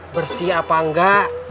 bersih apa engga